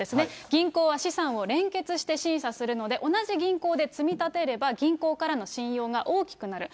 銀行は資産を連結して審査するので、同じ銀行で積み立てれば、銀行からの信用が大きくなる。